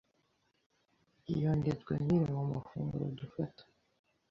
yongerwa niri muma funguro dufata,